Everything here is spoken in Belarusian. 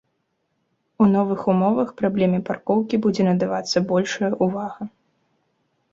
У новых умовах праблеме паркоўкі будзе надавацца большая ўвага.